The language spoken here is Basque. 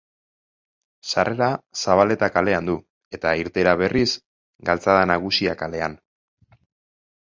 Sarrera Zabaleta kalean du, eta irteera berriz, Galtzada Nagusia kalean.